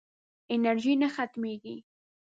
انرژي نه ختمېږي.